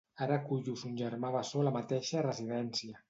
Ara acullo son germà bessó a la mateixa residència.